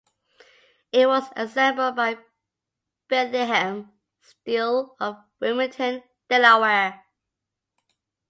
It was assembled by Bethlehem Steel of Wilmington, Delaware.